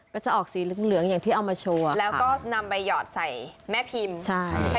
ก็จะออกสีเหลืองเหลืองอย่างที่เอามาชัวร์แล้วก็นำไปหยอดใส่แม่พิมพ์ใช่